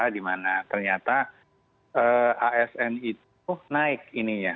di mana ternyata asn itu naik ini ya